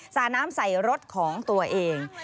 สาน้ำใส่รถของตัวเอง